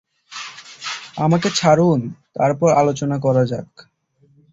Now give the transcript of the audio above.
আমাকে ছাড়ুন, তারপর আলোচনা করা যাক।